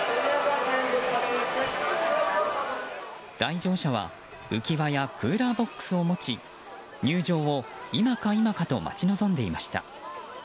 来場者は浮き輪やクーラーボックスを持ち入場を今か今かと待ち望んでいました。